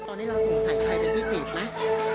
ตอนนี้เราสงสัยใครเป็นผู้สูญมั้ย